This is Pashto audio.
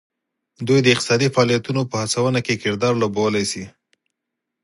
دوی د اقتصادي فعالیتونو په هڅونه کې کردار لوبولی شي